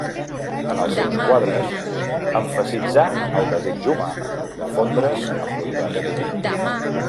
En els seus quadres, emfasitzà el desig humà de fondre's amb l'univers diví.